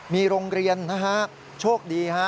มีโรงเรียนนะฮะช่วงดี